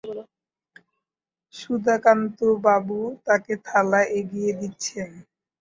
সুধাকান্তবাবু তাঁকে থালা এগিয়ে দিচ্ছেন।